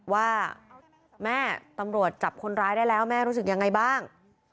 ว่าแม่ตำรวจจับคนร้ายได้แล้วแม่รู้สึกยังไงบ้าง